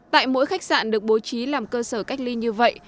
tại mỗi khách sạn được bố trí làm cơ sở cách ly như vậy